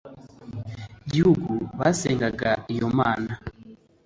gihugu basengaga iyo Mana